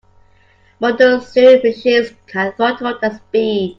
Modern sewing machines can throttle their speed.